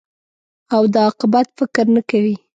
او د عاقبت فکر نه کوې.